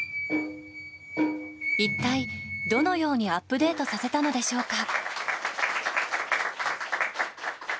一体どのようにアップデートさせたでしょうか。